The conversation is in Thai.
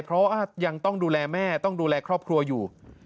เพราะว่ายังต้องดูแลแม่ต้องดูแลครอบครัวอยู่